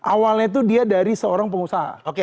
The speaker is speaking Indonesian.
awalnya itu dia dari seorang pengusaha